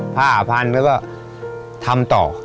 ผ้าพันแล้วก็ทำต่อ